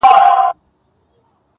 زما پر سهادت ملا ده دا فتواء ورکړې,